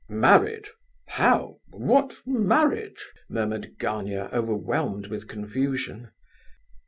"Married? how—what marriage?" murmured Gania, overwhelmed with confusion.